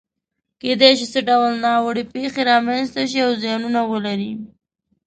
کېدای شي څه ډول ناوړه پېښې رامنځته شي او زیانونه ولري؟